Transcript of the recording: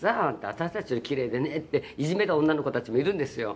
“私たちよりキレイでね”っていじめた女の子たちもいるんですよ」